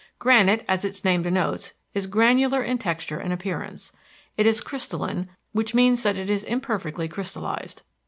Granite, as its name denotes, is granular in texture and appearance. It is crystalline, which means that it is imperfectly crystallized.